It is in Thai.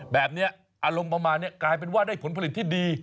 แบบนี้อารมณ์ประมาณนี้กลายเป็นว่าได้ผลผลิตที่ดี